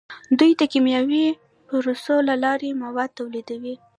دوی د کیمیاوي پروسو له لارې مواد تولیدوي.